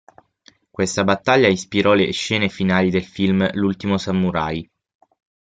Questa battaglia ispirò le scene finali del film "L'ultimo samurai".